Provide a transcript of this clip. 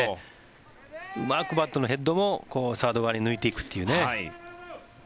うまくバットのヘッドもサード側に抜いていくという。